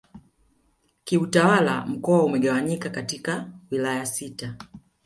Kiutawala mkoa umegawanyika katika Wilaya sita